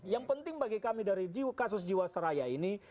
yang penting bagi kami dari kasus jiwa seraya ini